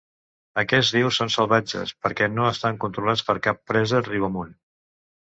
Aquests rius són "salvatges" perquè no estan controlats per cap presa riu amunt.